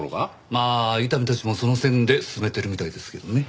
まあ伊丹たちもその線で進めてるみたいですけどね。